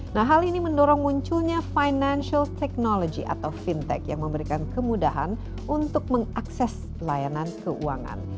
nah hal ini mendorong munculnya financial technology atau fintech yang memberikan kemudahan untuk mengakses layanan keuangan